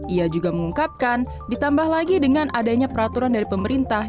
ia juga mengungkapkan ditambah lagi dengan adanya peraturan dari pemerintah